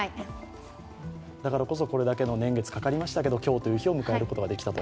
だからこそ、これだけの年月かかりましたけど、今日という日を迎えることができたと。